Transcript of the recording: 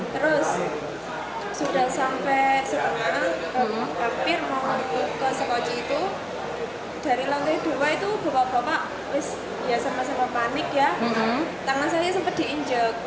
terus sudah sampai setengah hampir mau ikut ke sekoci itu dari lantai dua itu bapak bapak ya sama sama panik ya tangan saya sempat diinjek